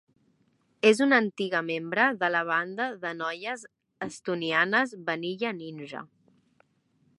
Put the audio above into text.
És una antiga membre de la banda de noies estonianes Vanilla Ninja.